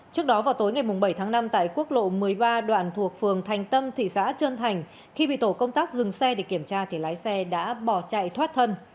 trước đó vào tối ngày bảy tháng năm tại quốc lộ một mươi ba đoạn thuộc phường thành tâm thị xã trơn thành khi bị tổ công tác dừng xe để kiểm tra thì lái xe đã bỏ chạy thoát thân